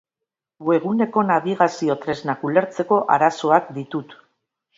Webguneko nabigazio-tresnak ulertzeko arazoak ditut.